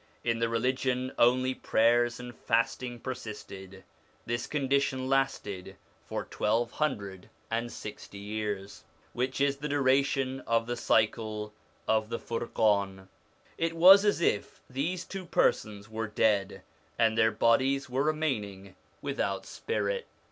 In the religion only prayers and fasting persisted ; this condition lasted for twelve hundred and sixty years, ON THE INFLUENCE OF THE PROPHETS 63 which is the duration of the cycle of the Furqan. 1 It was as if these two persons were dead, and their bodies were remaining without spirit.